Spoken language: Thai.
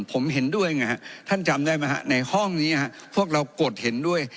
ผมเห็นด้วยไงฮะท่านจำได้ไหมฮะในห้องนี้พวกเรากดเห็นด้วย